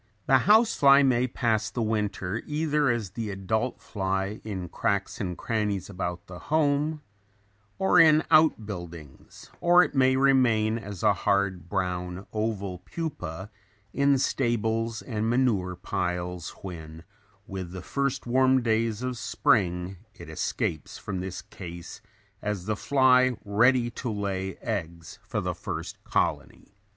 The house fly may pass the winter either as the adult fly in cracks and crannies about the home, or in out buildings or it may remain as a hard, brown, oval pupa in stables and manure piles when, with the first warm days of spring, it escape from this case as the fly ready to lay eggs for the first colony.